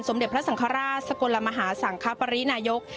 เด็จพระสังฆราชสกลมหาสังคปรินายก